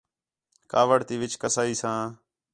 کاوِڑ تی وِچ کَسائی ساں